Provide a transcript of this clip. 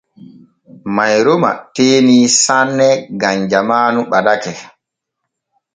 Mayroma teenii saane gam jamaanu ɓadake.